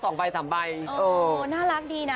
น่ารักดีนะ